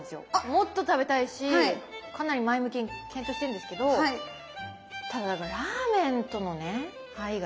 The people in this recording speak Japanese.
もっと食べたいしかなり前向きに検討してるんですけどただ何かラーメンとのね愛が絆が強すぎて。